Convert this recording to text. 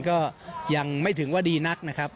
ก็ยังไม่ถึงว่าดีนักนะครับ